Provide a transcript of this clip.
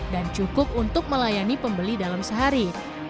dan cukup untuk melayani pembeli dalam sehari